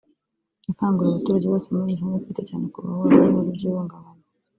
yakanguriye abaturage bose muri rusange kwita cyane kubahura n’ibibazo by’ihungabana